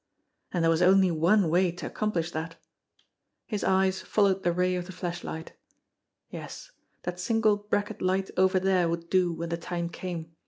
And there was only one way to accomplish that! His eyes followed the ray of the flashlight. Yes, that single bracket light over there would do when the time came.